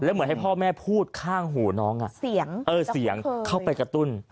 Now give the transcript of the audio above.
เหมือนให้พ่อแม่พูดข้างหูน้องเสียงเข้าไปกระตุ้น